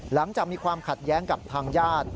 หลังจากมีความขัดแย้งกับทางญาติ